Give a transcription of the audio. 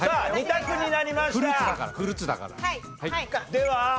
では。